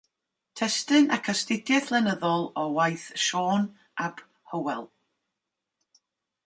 Testun ac astudiaeth lenyddol o waith Siôn ap Hywel.